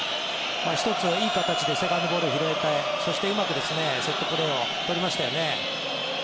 １ついい形でセカンドボールを拾えてそしてうまくセットプレーを取りましたよね。